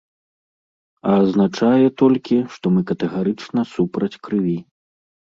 А азначае толькі, што мы катэгарычна супраць крыві.